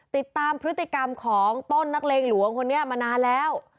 ติดตามพฤติกรรมของต้นนักเลงหลวงคนนี้มานานแล้ว